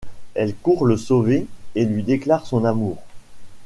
Elle court le sauver et lui déclare son amour.